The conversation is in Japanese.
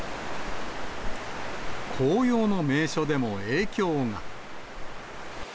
紅葉の名所でも影響が。